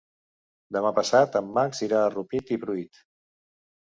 Demà passat en Max irà a Rupit i Pruit.